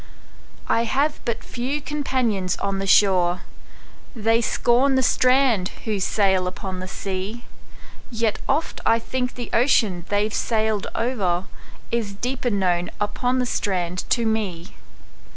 I have but few companions on the shore:They scorn the strand who sail upon the sea; Yet oft I think the ocean they've sailed o'erIs deeper known upon the strand to me.